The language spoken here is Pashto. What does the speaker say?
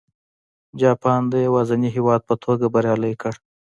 جاپان د یوازیني هېواد په توګه بریالی کړ.